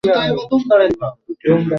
এটি প্রধানত tram net work.